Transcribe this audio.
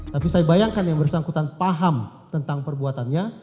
tapi saya bayangkan yang bersangkutan paham tentang perbuatannya